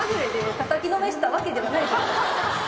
たたきのめしたわけではないです。